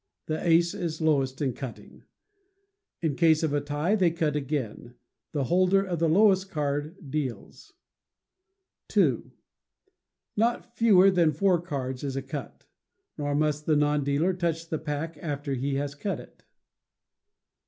The ace is lowest in cutting. In case of a tie, they cut again. The holder of the lowest card deals. ii. Not fewer than four cards is a cut; nor must the non dealer touch the pack after he has cut it.